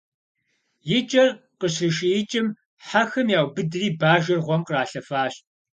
И кӀэр къыщришиикӀым, хьэхэм яубыдри бажэр гъуэм къралъэфащ.